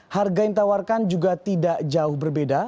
harga yang ditawarkan juga tidak jauh berbeda